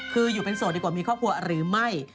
คืออยู่เป็นโสดดีกว่ามีครอบครัวหรือไม่